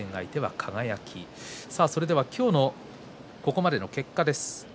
今日のここまでの結果です。